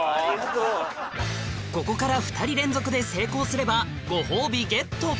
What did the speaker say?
ここから２人連続で成功すればご褒美ゲット